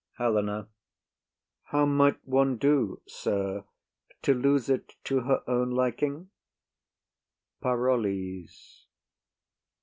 HELENA. How might one do, sir, to lose it to her own liking? PAROLLES.